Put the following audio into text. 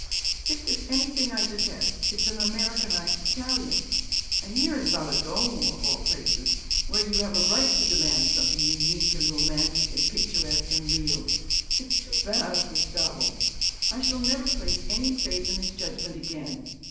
'If there's anything I detest, it's an Americanized Italian and here in Valedolmo of all places, where you have a right to demand something unique and romantic and picturesque and real. It's too bad of Gustavo! I shall never place any faith in his judgment again.